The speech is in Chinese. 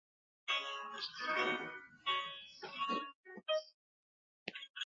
裂叶金盏苣苔为苦苣苔科金盏苣苔属下的一个种。